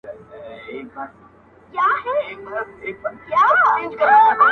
چي ډېرى سي، مردارى سي.